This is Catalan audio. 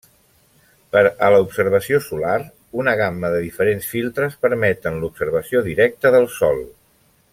Per a l'observació solar, una gamma de diferents filtres permeten l'observació directa del sol.